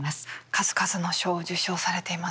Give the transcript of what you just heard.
数々の賞を受賞されていますね。